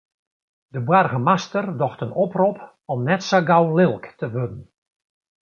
De boargemaster docht in oprop om net sa gau lilk te wurden.